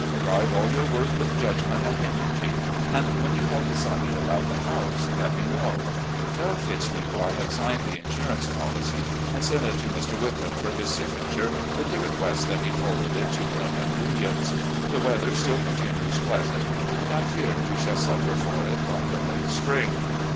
Drive all your work with judgment and energy, and when you have decided about the house, let me know. Tell Fitzhugh I have signed the insurance policy and sent it to Mr. Wick ham for his signature, with the request that he forward it to Grubb & Williams. The weather still continues pleas ant, and I fear we shall suffer for it by the late spring.